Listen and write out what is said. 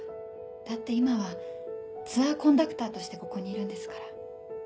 だって今はツアーコンダクターとしてここにいるんですから。